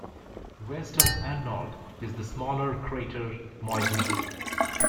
West of Arnold is the smaller crater Moigno.